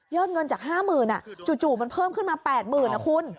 ยอดเงินจาก๕หมื่นอะจู่มันเพิ่มขึ้นมา๘หมื่นนะคุณ